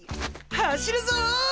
走るぞ！